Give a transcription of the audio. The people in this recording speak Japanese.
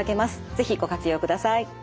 是非ご活用ください。